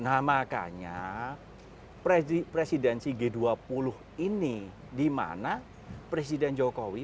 nah makanya presidensi g dua puluh ini dimana presiden jokowi